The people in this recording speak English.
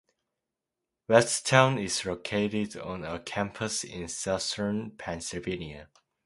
Westtown is located on a campus in southern Pennsylvania.